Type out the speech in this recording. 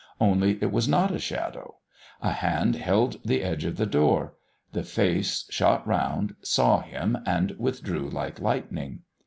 Only it was not a shadow. A hand held the edge of the door. The face shot round, saw him, and withdrew like lightning.